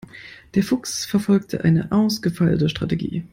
Der Fuchs verfolgt eine ausgefeilte Strategie.